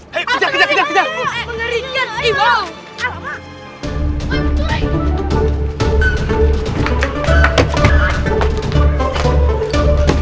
hei kejar kejar kejar